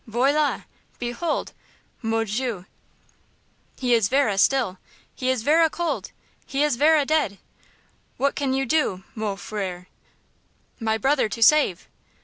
"Voilà, behold! Mon dieu, he is verra still! He is verra cold! He is verra dead! What can you do, mon frère, my brother to save?"